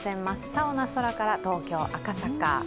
真っ青な空から東京・赤坂。